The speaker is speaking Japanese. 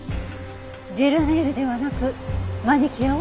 ジェルネイルではなくマニキュアを塗った？